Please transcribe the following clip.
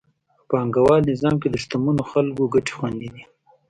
په پانګوال نظام کې د شتمنو خلکو ګټې خوندي دي.